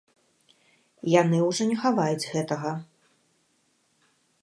Яны ўжо не хаваюць гэтага!